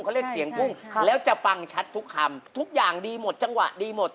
เขาเรียกเสียงกุ้งแล้วจะฟังชัดทุกคำทุกอย่างดีหมดจังหวะดีหมด